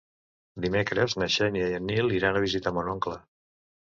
Dimecres na Xènia i en Nil iran a visitar mon oncle.